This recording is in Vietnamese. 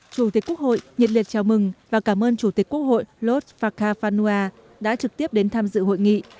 chủ tịch quốc hội nhiệt liệt chào mừng và cảm ơn chủ tịch quốc hội lodz fakafanua đã trực tiếp đến tham dự hội nghị